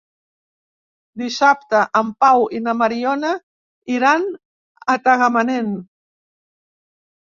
Dissabte en Pau i na Mariona iran a Tagamanent.